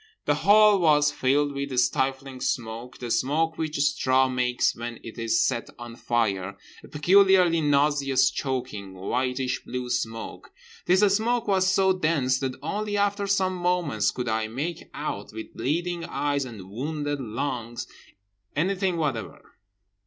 The hall was filled with stifling smoke; the smoke which straw makes when it is set on fire, a peculiarly nauseous choking, whitish blue smoke. This smoke was so dense that only after some moments could I make out, with bleeding eyes and wounded lungs, anything whatever.